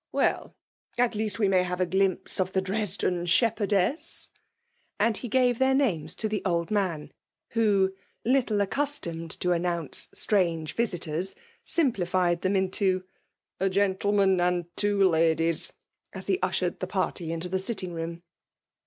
" Welt, — at least we may hare a glimpse of the Dresden shepherdess?" And he gvre their names to the old man, who, little accms tomed to announce strange vicdt^B, simpUfied them into "a gentleman and two ladies/' as he ushered the party into the sitting room.